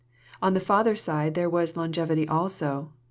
On the father's side there was longevity also.